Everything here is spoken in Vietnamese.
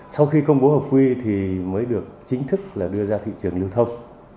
sau khi công bố hợp quy thì mới được chính thức là đưa ra thị trường lưu thông